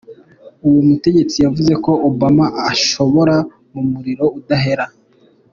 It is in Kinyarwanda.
Uwo mutegetsi yavuze ko Obama ashobora ”mu muriro udahera”.